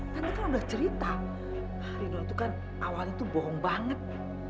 tante kan sudah cerita rino itu kan awalnya tuh bohong banget